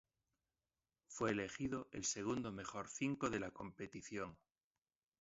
Fue elegido en el segundo mejor cinco de la competición.